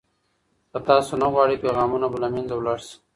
که تاسو نه غواړئ، پیغامونه به له منځه ولاړ شي.